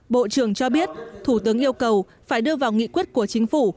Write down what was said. bộ trưởng cho biết thủ tướng yêu cầu phải đưa vào nghị quyết của chính phủ